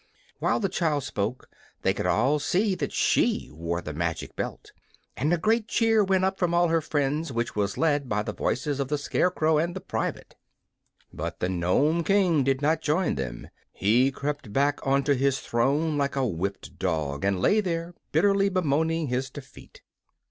While the child spoke they could all see that she wore the magic belt, and a great cheer went up from all her friends, which was led by the voices of the Scarecrow and the private. But the Nome King did not join them. He crept back onto his throne like a whipped dog, and lay there bitterly bemoaning his defeat.